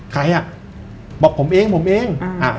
ใครอ่ะบอกผมเองผมเอง